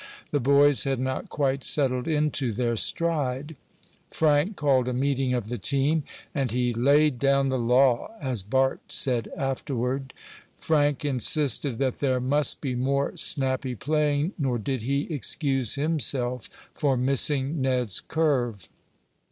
The boys had not quite settled into their stride. Frank called a meeting of the team, and he "laid down the law," as Bart said afterward. Frank insisted that there must be more snappy playing, nor did he excuse himself for missing Ned's curve.